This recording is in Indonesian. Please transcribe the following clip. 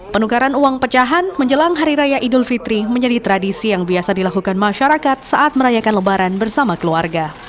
penukaran uang pecahan menjelang hari raya idul fitri menjadi tradisi yang biasa dilakukan masyarakat saat merayakan lebaran bersama keluarga